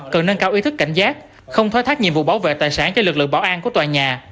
cần nâng cao ý thức cảnh giác không thoái thác nhiệm vụ bảo vệ tài sản cho lực lượng bảo an của tòa nhà